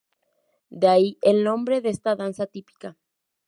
De ahí el nombre de esta danza típica.